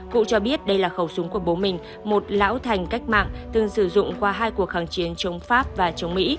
cụ cho biết đây là khẩu súng của bố mình một lão thành cách mạng từng sử dụng qua hai cuộc kháng chiến chống pháp và chống mỹ